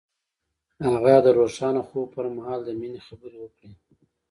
هغه د روښانه خوب پر مهال د مینې خبرې وکړې.